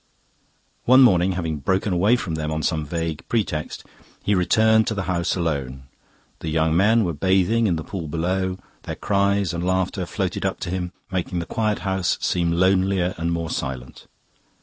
One morning, having broken away from them on some vague pretext, he returned to the house alone. The young men were bathing in the pool below; their cries and laughter floated up to him, making the quiet house seem lonelier and more silent.